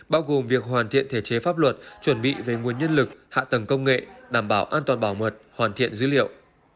bao gồm việc hoàn thiện thể chế pháp luật chuẩn bị về nguồn nhân lực hạ tầng công nghệ đảm bảo an toàn bảo mật hoàn thiện dữ liệu